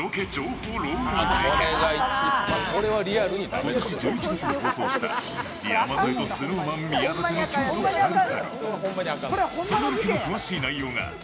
今年１１月に放送した山添とＳｎｏｗＭａｎ宮舘の京都２人旅。